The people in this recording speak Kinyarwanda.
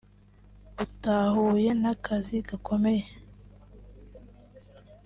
utahuye n’akazi gakomeye